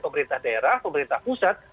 pemerintah daerah pemerintah pusat